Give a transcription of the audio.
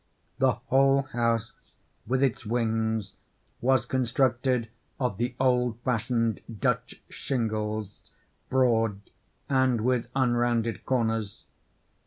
The whole house, with its wings, was constructed of the old fashioned Dutch shingles—broad, and with unrounded corners.